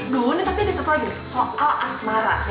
duh tapi ini soal asmara